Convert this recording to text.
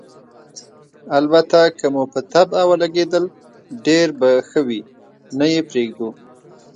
البته که مو په طبعه ولګېدل، ډېر به ښه وي، نه یې پرېږدو.